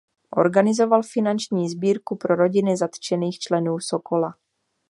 Organizoval finanční sbírku pro rodiny zatčených členů Sokola.